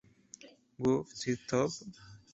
Who's the Top?